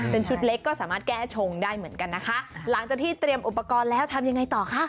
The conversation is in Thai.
เป็นชุดเล็กก็สามารถแก้ชงได้เหมือนกันนะคะหลังจากที่เตรียมอุปกรณ์แล้วทำยังไงต่อคะ